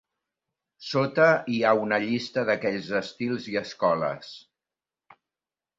Sota hi ha una llista d'aquells estils i escoles.